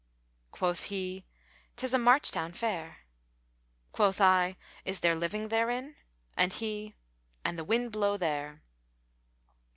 * Quoth he, 'Tis a march town fair.' Quoth I, 'Is there living therein?' * And he, 'An the wind blow there.'"